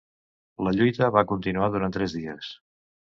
La lluita va continuar durant tres dies.